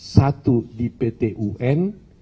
satu di pt un